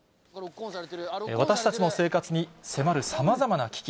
私たちの生活に迫る様々な危機。